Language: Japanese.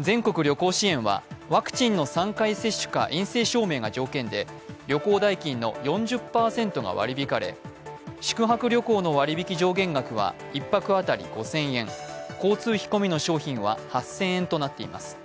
全国旅行支援はワクチンの３回接種か陰性証明が条件で旅行代金の４０％が割り引かれ宿泊旅行の割引上限額は１泊当たり５０００円、交通費込みの商品は８０００円となっています。